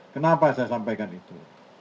kenapa saya sampaikan itu